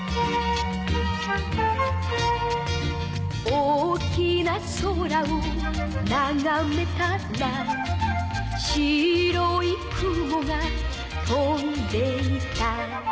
「大きな空をながめたら」「白い雲が飛んでいた」